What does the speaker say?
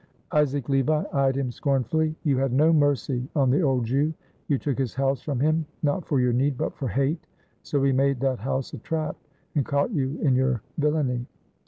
Isaac Levi eyed him scornfully. "You had no mercy on the old Jew. You took his house from him, not for your need but for hate. So he made that house a trap and caught you in your villainy."